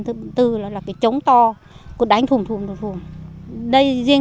thứ tư là cái trống to cũng đánh thùng thùng đây riêng dân tộc tày là không dùng chiêng